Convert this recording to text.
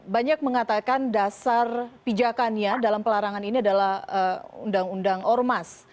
banyak mengatakan dasar pijakannya dalam pelarangan ini adalah undang undang ormas